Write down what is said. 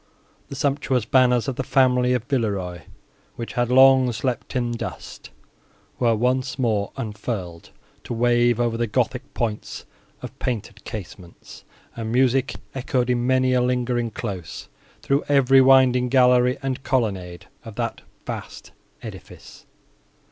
The sumptuous banners of the family of Villeroi, which had long slept in dust, were once more unfurled, to wave over the gothic points of painted casements; and music echoed, in many a lingering close, through every winding gallery and colonnade of that vast edifice.